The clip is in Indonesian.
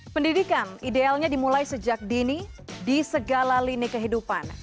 pendidikan idealnya dimulai sejak dini di segala lini kehidupan